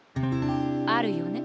あるよね。